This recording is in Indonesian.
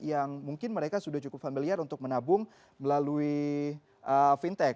yang mungkin mereka sudah cukup familiar untuk menabung melalui fintech